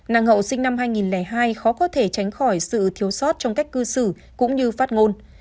năng hậu sinh năm hai nghìn hai khó có thể tránh khỏi sự thiếu sót trong cách cư xử cũng như phát ngôn